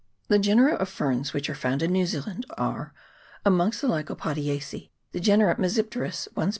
The genera of ferns which are found in New Zealand are Amongst the Lycopodiacece, the genera T'mesipteris (1 sp.)